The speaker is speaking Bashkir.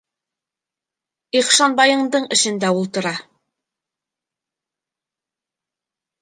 Ихшанбайындың эшендә ултыра...